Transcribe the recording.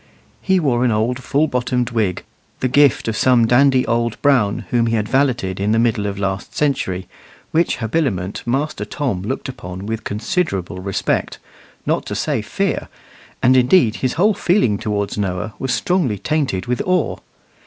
He wore an old full bottomed wig, the gift of some dandy old Brown whom he had valeted in the middle of last century, which habiliment Master Tom looked upon with considerable respect, not to say fear; and indeed his whole feeling towards Noah was strongly tainted with awe.